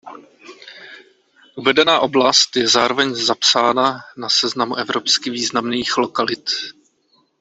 Uvedená oblast je zároveň zapsána na seznamu Evropsky významných lokalit.